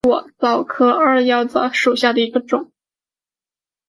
技术和职业教育应普遍设立。